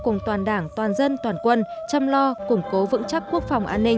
cùng toàn đảng toàn dân toàn quân chăm lo củng cố vững chắc quốc phòng an ninh